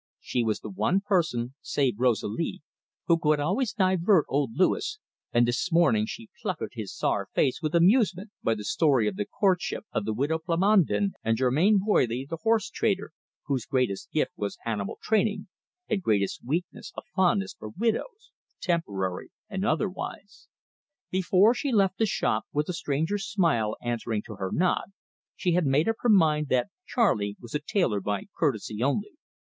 She was the one person, save Rosalie, who could always divert old Louis, and this morning she puckered his sour face with amusement by the story of the courtship of the widow Plomondon and Germain Boily the horse trainer, whose greatest gift was animal training, and greatest weakness a fondness for widows, temporary and otherwise. Before she left the shop, with the stranger's smile answering to her nod, she had made up her mind that Charley was a tailor by courtesy only.